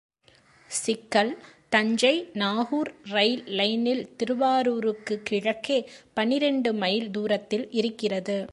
சிக்கல் தஞ்சை நாகூர் ரயில்லைனில் திருவாரூருக்குக் கிழக்கே பன்னிரெண்டு மைல் துரத்தில் இருக்கிறது.